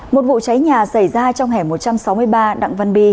một vụ cháy nhà xảy ra trong hẻm một trăm sáu mươi ba đặng văn bi